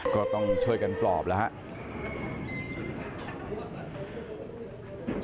ก็ต้องช่วยกันปลอบแล้วครับ